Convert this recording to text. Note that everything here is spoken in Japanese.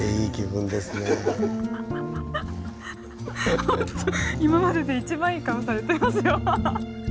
ほんと今までで一番いい顔されてますよ。